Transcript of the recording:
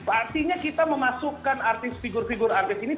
artinya kita memasukkan artis figur figur artis ini